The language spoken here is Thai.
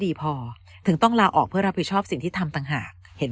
ดีพอถึงต้องลาออกเพื่อรับผิดชอบสิ่งที่ทำต่างหากเห็น